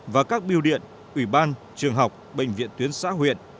và các biêu điện ủy ban trường học bệnh viện tuyến xã huyện